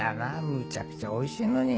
むちゃくちゃおいしいのに。